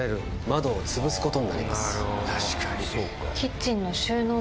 確かに。